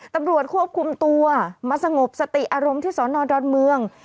ตำรวจควบคุมตัวมาสงบสติอารมณ์ที่สอนอดอนเมือง